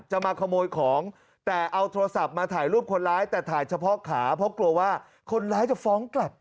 มาขโมยของแต่เอาโทรศัพท์มาถ่ายรูปคนร้ายแต่ถ่ายเฉพาะขาเพราะกลัวว่าคนร้ายจะฟ้องกลับ